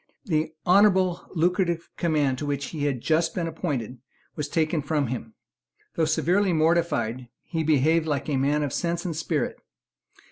The honourable and lucrative command to which he had just been appointed was taken from him, Though severely mortified, he behaved like a man of sense and spirit.